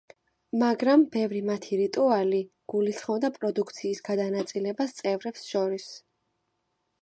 მაგრამ ბევრი მათი რიტუალი, გულისხმობდა პროდუქციის გადანაწილებას წევრებს შორის.